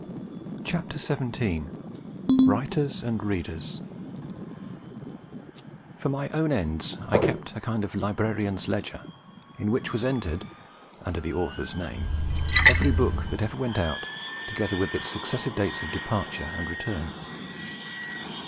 WRITERS AND READERS For my own ends I kept a kind of librarian's ledger, in which was entered, under the author's name, every book that ever went out, together with its successive dates of departure and return.